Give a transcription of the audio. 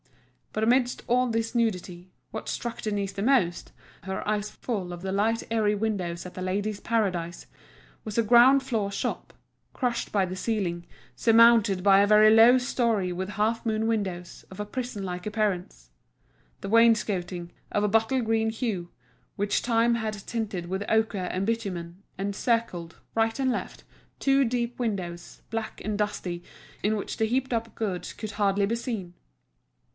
But amidst all this nudity, what struck Denise the most, her eyes full of the light airy windows at The Ladies' Paradise, was the ground floor shop, crushed by the ceiling, surmounted by a very low storey with half moon windows, of a prison like appearance. The wainscoting, of a bottle green hue, which time had tinted with ochre and bitumen, encircled, right and left, two deep windows, black and dusty, in which the heaped up goods could hardly be seen.